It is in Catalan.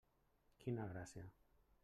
Quina gràcia!